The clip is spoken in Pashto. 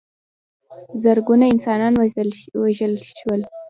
زرګونه انسانان ووژل شول.